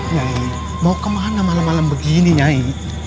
ya mau kemana malam malam begini nyai